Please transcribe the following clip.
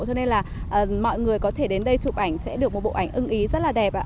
cho nên là mọi người có thể đến đây chụp ảnh sẽ được một bộ ảnh ưng ý rất là đẹp ạ